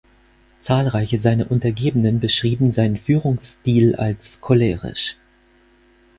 Zahlreiche seiner Untergebenen beschrieben seinen Führungsstil als cholerisch.